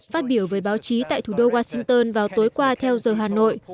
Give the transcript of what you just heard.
phát biểu với báo chí tại thủ đô washington vào tối qua theo giờ hà nội